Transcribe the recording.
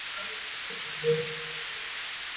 杨钾南为中国清朝武官官员。